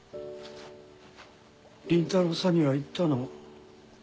倫太郎さんには言ったの？